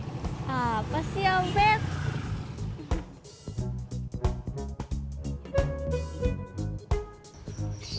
apa sih ya bet